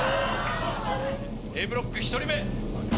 Ａブロック１人目！